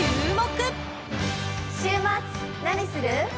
週末何する？